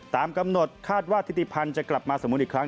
ตามกำหนดคาดว่าทิติพันธ์จะกลับมาสมมุติอีกครั้ง